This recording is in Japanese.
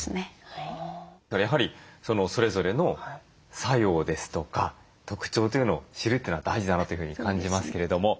やはりそれぞれの作用ですとか特徴というのを知るってのは大事だなというふうに感じますけれども。